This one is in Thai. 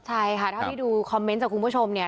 ใช่ค่ะเท่าที่ดูคอมเมนต์จากคุณผู้ชมเนี่ย